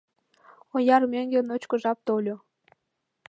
Ояр мӧҥгӧ ночко жап тольо.